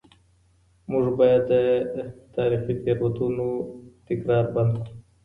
موږ باید د تاریخي تېروتنو تکرار بند کړو.